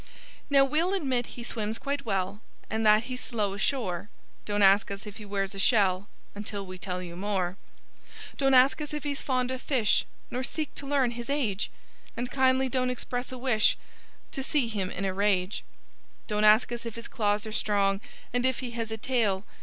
Now, we'll admit he swims quite well And that he's slow ashore. Don't ask us if he wears a shell Until we tell you more. Don't ask us if he's fond of fish Nor seek to learn his age. And kindly don't express a wish To see him in a rage! Don't ask us if his claws are strong And if he has a tail.